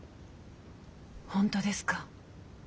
本当ですか？